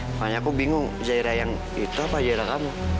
namanya aku bingung zaira yang itu apa zaira kamu